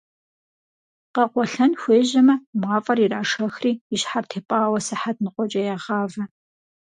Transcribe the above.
Къэкъуэлъэн хуежьэмэ, мафӏэр ирашэхри и щхьэр тепӏауэ сыхьэт ныкъуэкӏэ ягъавэ.